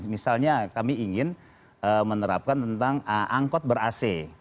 misalnya kami ingin menerapkan tentang angkot ber ac